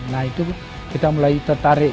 nah itu kita mulai tertarik